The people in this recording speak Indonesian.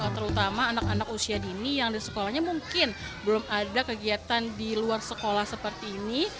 terutama anak anak usia dini yang di sekolahnya mungkin belum ada kegiatan di luar sekolah seperti ini